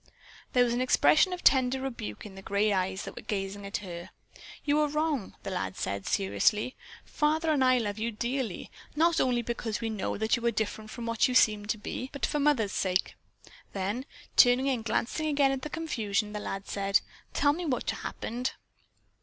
There was an expression of tender rebuke in the gray eyes that were gazing at her. "You are wrong," the lad said seriously. "Father and I love you dearly, not only because we know that you are different from what you seem to be, but for Mother's sake." Then, turning and glancing again at the confusion, the lad said, "Tell me just what happened."